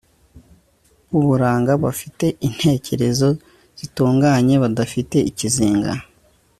b'uburanga, bafite intekerezo zitunganye, badafite ikizinga